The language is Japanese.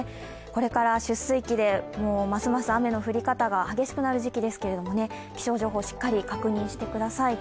これから出水期でますます雨の降り方が激しくなる時期ですけれども、気象情報しっかり確認してください。